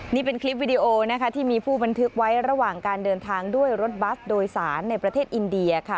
นี่เป็นคลิปวิดีโอนะคะที่มีผู้บันทึกไว้ระหว่างการเดินทางด้วยรถบัสโดยสารในประเทศอินเดียค่ะ